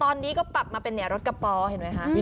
ตอนนี้ก็ปรับมาเป็นรถกระป๋อเห็นไหมคะ